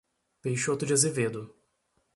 Peixoto de Azevedo